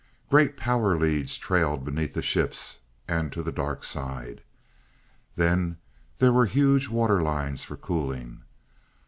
Great power leads trailed beneath the ships, and to the dark side. Then there were huge water lines for cooling.